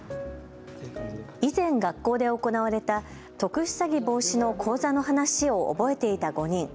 以前、学校で行われた特殊詐欺防止の講座の話を覚えていた５人。